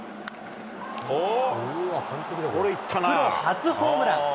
プロ初ホームラン。